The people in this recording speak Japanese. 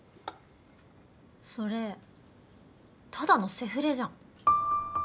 それただのセフレじゃん。